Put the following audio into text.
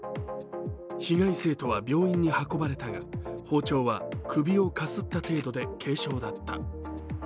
被害生徒は病院に運ばれたが包丁は首をかすった程度で軽傷だった。